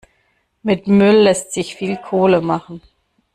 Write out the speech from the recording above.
Mit Müll lässt sich viel Kohle machen.